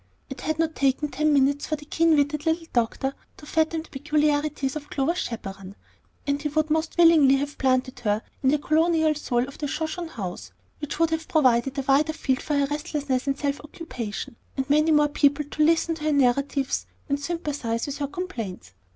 It had not taken ten minutes for the keen witted little doctor to fathom the peculiarities of Clover's "chaperone," and he would most willingly have planted her in the congenial soil of the Shoshone House, which would have provided a wider field for her restlessness and self occupation, and many more people to listen to her narratives and sympathize with her complaints.